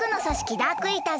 ダークイーターズ